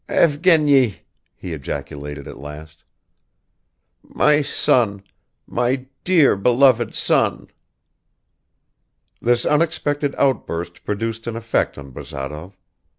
"Evgeny!" he ejaculated at last, "My son, my dear, beloved son!" This unexpected outburst produced an effect on Bazarov